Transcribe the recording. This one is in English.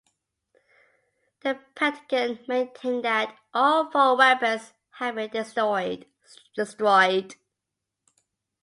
The Pentagon maintained that all four weapons had been destroyed.